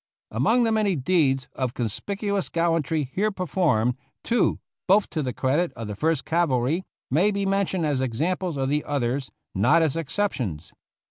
Among the many deeds of conspicuous gallan try here performed, two, both to the credit of the First Cavalry, may be mentioned as examples of the others, not as exceptions.